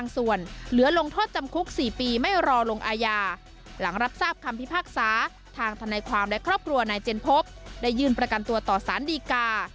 สามและครอบครัวนายเจนพบได้ยืนประกันตัวต่อสารดีกา